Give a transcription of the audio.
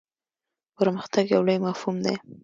پرمختګ یو لوی مفهوم دی.